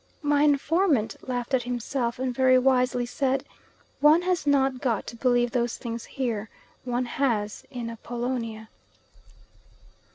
My informant laughed at himself, and very wisely said, "One has not got to believe those things here, one has in Apollonia."